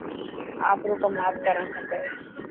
آپرو ڪم آپ ڪرڻ کپي.